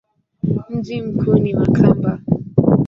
Mji mkuu ni Makamba.